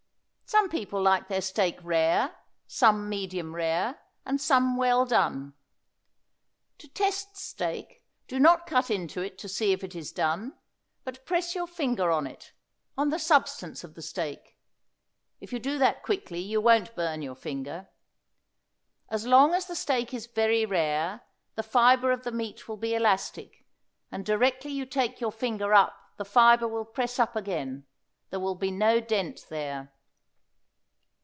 Some people like their steak rare, some medium rare, and some well done. To test steak, do not cut into it to see if it is done, but press your finger on it, on the substance of the steak. If you do that quickly you won't burn your finger. As long as the steak is very rare the fibre of the meat will be elastic, and directly you take your finger up the fibre will press up again; there will be no dent there.